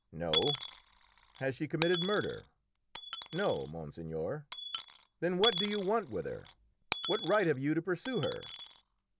"No." "Has she committed murder?" "No, monseigneur." "Then what do you want with her? What right have you to pursue her?"